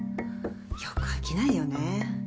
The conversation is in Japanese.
よく飽きないよね。